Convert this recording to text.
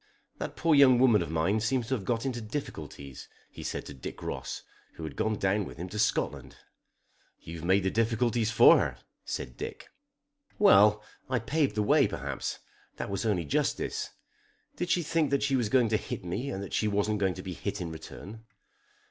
"That poor young woman of mine seems to have got into difficulties," he said to Dick Ross, who had gone down with him to Scotland. "You have made the difficulties for her," said Dick. "Well; I paved the way perhaps. That was only justice. Did she think that she was going to hit me and that she wasn't to be hit in return?"